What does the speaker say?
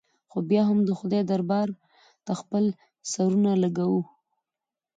خو بیا هم د خدای دربار ته خپل سرونه لږوو.